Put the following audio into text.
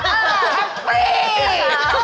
ครับพี่